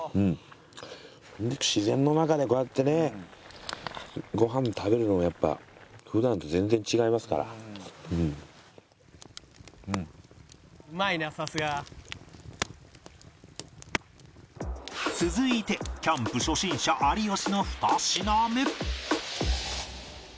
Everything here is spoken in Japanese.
自然の中でこうやってねご飯食べるのもやっぱ普段と「うまいなさすが」続いてキャンプ初心者有吉の２品目